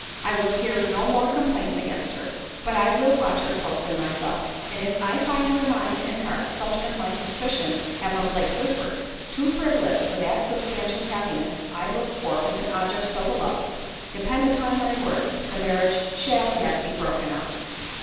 I will hear no more complaints against her, but I will watch her closely myself—and if I find her mind and heart (such as my suspicions have of late whispered) too frivolous for that substantial happiness I look for with an object so beloved, depend upon my word—the marriage shall yet be broken off."